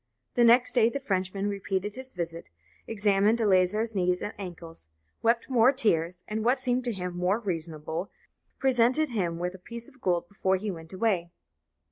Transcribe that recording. The next day the Frenchman repeated his visit, examined Eleazar's knees and ankles, wept more tears, and, what seemed to him more reasonable, presented him with a piece of gold before he went away.